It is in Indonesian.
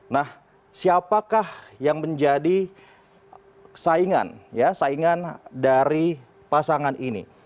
nah siapakah yang menjadi saingan dari pasangan ini